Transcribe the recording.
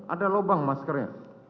ada lobang maskernya